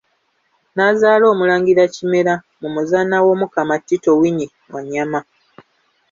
N'azaala omulangira Kimera mu muzaana wa Omukama Tito Winyi Wanyana.